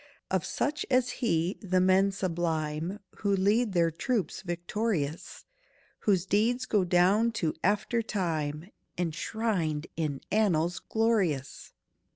Of such as he, the men sublime Who lead their troops victorious, Whose deeds go down to after time, Enshrined in annals glorious!